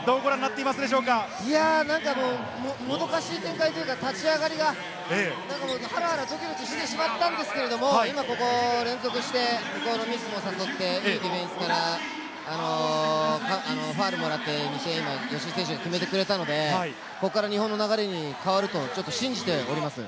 なんかもどかしい展開というか、立ち上がりが、ハラハラドキドキしてしまったんですけれど、今、ここ連続してミスも誘って、いいディフェンスからファウルもらって、吉井選手、決めてくれたので、ここから日本の流れに変わると信じております。